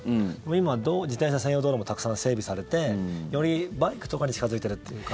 今、自転車専用道路もたくさん整備されてよりバイクとかに近付いているというか。